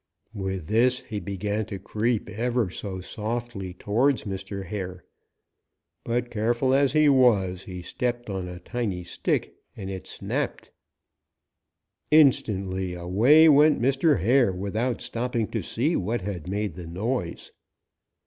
"With this he began to creep ever so softly towards Mr. Hare. But careful as he was, he stepped on a tiny stick and it snapped. Instantly away went Mr. Hare without stopping to see what had made the noise.